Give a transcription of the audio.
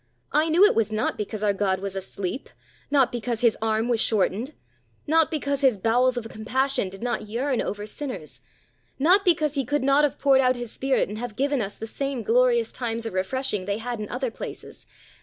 I knew it was not because our God was asleep not because His arm was shortened not because His bowels of compassion did not yearn over sinners not because he could not have poured out His Spirit and have given us the same glorious times of refreshing they had in other places.